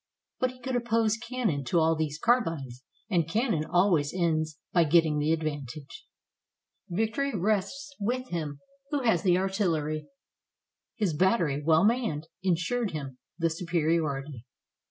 But he could oppose cannon to all these carbines, and cannon always ends by getting the advantage. Victory rests with him who has the artillery. His battery, well manned, insured him the superiority.